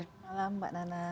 selamat malam mbak nana